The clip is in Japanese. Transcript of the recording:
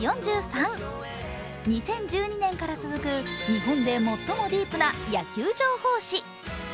２０１２年から続く日本で最もディープな野球情報誌。